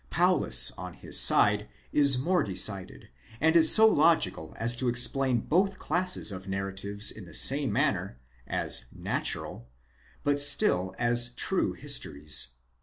Paulus on his side is more decided, and is so logical as to explain both classes of narratives in the same manner, as natural, but still as true histories.